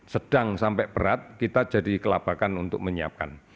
sedang sampai berat kita jadi kelabakan untuk menyiapkan